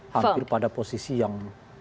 hampir pada posisi yang